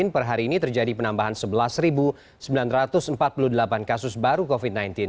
per hari ini terjadi penambahan sebelas sembilan ratus empat puluh delapan kasus baru covid sembilan belas